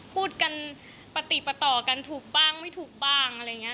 พูดกันปฏิปต่อกันถูกบ้างไม่ถูกบ้างอะไรอย่างนี้